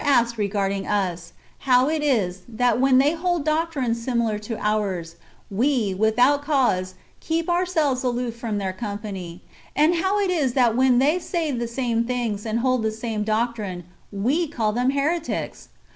asked^ regarding us, how it is, that when they hold doctrines similar to ours, we, without cause, keep ourselves aloof from their company ; and [how it is, that] when they say the same things, and hold the same doctrine, we call them heretics